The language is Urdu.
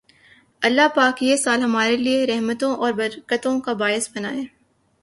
الله پاک یہ سال ہمارے لیئے رحمتوں اور برکتوں کا باعث بنائے